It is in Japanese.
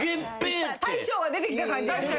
大将が出てきた感じがして。